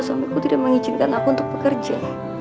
sampai aku tidak mengizinkan aku untuk bekerja